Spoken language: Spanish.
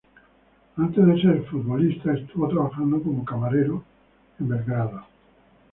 Antes de ser futbolista, estuvo trabajando como camarero en Belgrado.